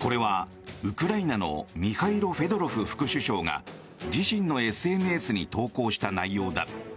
これはウクライナのミハイロ・フェドロフ副首相が自身のＳＮＳに投稿した内容だ。